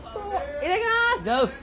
いただきます！